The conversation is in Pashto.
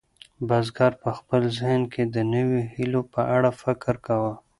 بزګر په خپل ذهن کې د نویو هیلو په اړه فکر کاوه.